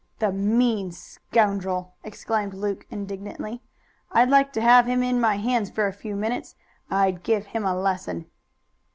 "The mean scoundrel!" exclaimed Luke indignantly. "I'd like to have him in my hands for a few minutes; I'd give him a lesson."